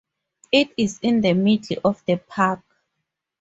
It is in the middle of the park.